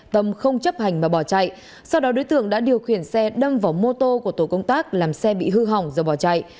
tâm không chấp hành mà bỏ chạy sau đó đối tượng đã điều khiển xe đâm vào mô tô của tổ công tác làm xe bị hư hỏng do bỏ chạy